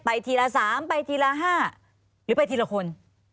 ทีละ๓ไปทีละ๕หรือไปทีละคน